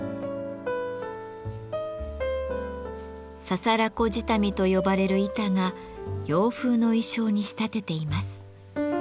「ささら子下見」と呼ばれる板が洋風の意匠に仕立てています。